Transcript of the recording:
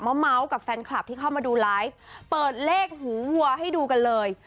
เมาส์กับแฟนคลับที่เข้ามาดูไลฟ์เปิดเลขหูวัวให้ดูกันเลย